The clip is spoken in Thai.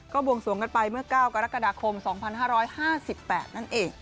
บวงสวงกันไปเมื่อ๙กรกฎาคม๒๕๕๘นั่นเอง